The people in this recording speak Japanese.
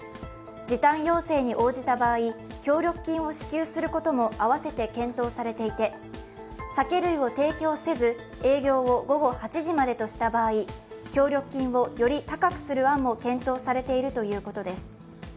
時短要請に応じた場合、協力金を支給することも合わせて検討されていて、酒類を提供せず営業を午後８時までとした場合、協力金をより高くする案も検討されているということです。